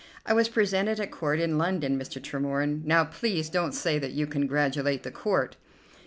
I was presented at Court in London, Mr. Tremorne. Now, please don't say that you congratulate the Court!"